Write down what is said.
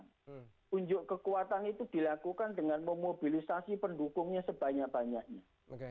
unjuk kekuatan itu dilakukan dengan memobilisasi pendukungnya sebanyak banyaknya